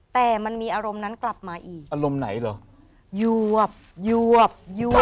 แต่มันมีอารมณ์นั้นกลับมาอีกอารมณ์ไหนเหรอยวบยวบยวบ